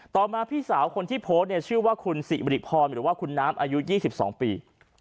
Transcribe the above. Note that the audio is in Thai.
ต่อมาพี่สาวคนที่โพสต์เนี่ยชื่อว่าคุณสิริพรหรือว่าคุณน้ำอายุ๒๒ปี